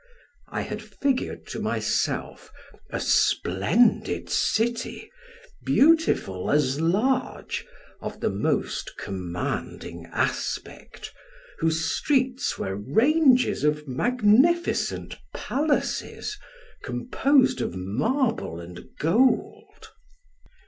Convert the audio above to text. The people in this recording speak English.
I had figured to myself a splendid city, beautiful as large, of the most commanding aspect, whose streets were ranges of magnificent palaces, composed of marble and gold.